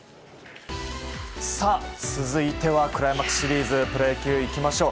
続いてはクライマックスシリーズプロ野球、いきましょう。